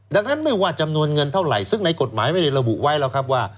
ดังนั้นไม่ว่าจำนวนเงินเท่าไหร่ซึ่งในกฎหมายไม่ได้ระบุไว้แล้วครับว่า